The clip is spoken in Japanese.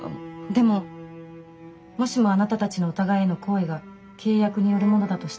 でももしもあなたたちのお互いへの好意が契約によるものだとしたら。